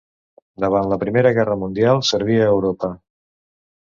Durant la Primera Guerra Mundial serví a Europa.